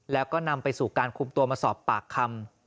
แล้วก็นำไปสู่การคุมตัวมาสอบปากคำ